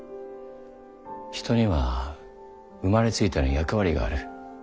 人には生まれついての役割がある。